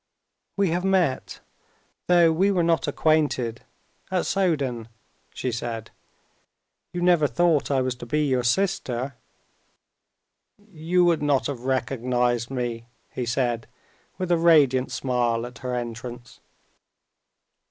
"We have met, though we were not acquainted, at Soden," she said. "You never thought I was to be your sister?" "You would not have recognized me?" he said, with a radiant smile at her entrance.